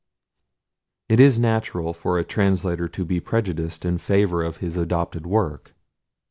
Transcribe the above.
It is natural for a translator to be prejudiced in favour of his adopted work.